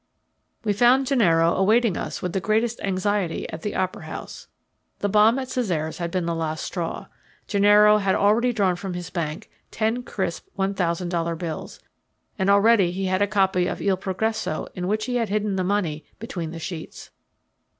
We found Gennaro awaiting us with the greatest anxiety at the opera house. The bomb at Cesare's had been the last straw. Gennaro had already drawn from his bank ten crisp one thousand dollar bills, and already he had a copy of Il Progresso in which he had hidden the money between the sheets.